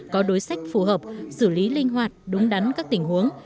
có đối sách phù hợp xử lý linh hoạt đúng đắn các tình huống